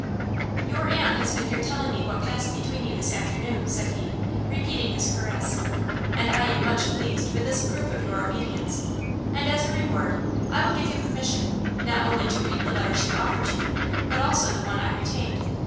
"Your aunt has been here telling me what passed between you this afternoon," said he, repeating his caress, "and I am much pleased with this proof of your obedience; and as a reward I will give you permission, not only to read the letter she offered you, but also the one I retained.